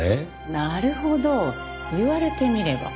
なるほど言われてみれば。